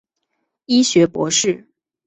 医学博士。